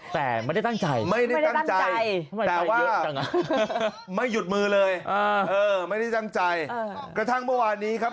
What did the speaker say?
แต่ไม่ได้ตั้งใจไม่ได้ตั้งใจแต่ว่าไม่หยุดมือเลยไม่ได้ตั้งใจกระทั่งเมื่อวานนี้ครับ